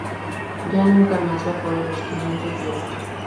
Ya nunca más bajó de los quinientos diarios.